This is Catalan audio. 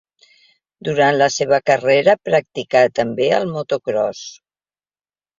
Durant la seva carrera practicà també el motocròs.